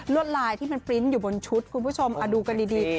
ลายที่มันปริ้นต์อยู่บนชุดคุณผู้ชมดูกันดี